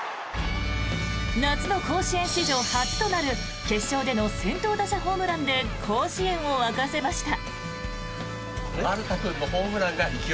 夏の甲子園史上初となる決勝での先頭打者ホームランで甲子園を沸かせました。